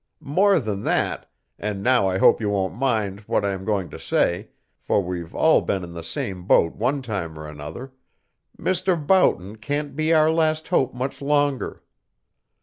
"More than that and now I hope you won't mind what I am going to say, for we've all been in the same boat one time or another Mr. Boughton can't be our last hope much longer.